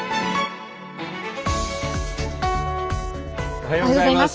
おはようございます。